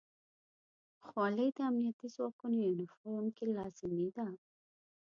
خولۍ د امنیتي ځواکونو یونیفورم کې لازمي ده.